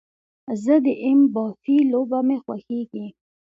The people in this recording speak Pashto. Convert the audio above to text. زه د ایم با في لوبه مې خوښیږي